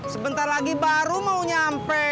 sebentar lagi baru mau nyampe